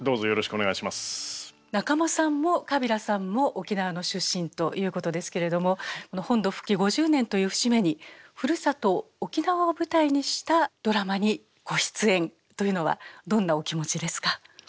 仲間さんもカビラさんも沖縄の出身ということですけれども本土復帰５０年という節目にふるさと沖縄を舞台にしたドラマにご出演というのはどんなお気持ちですか？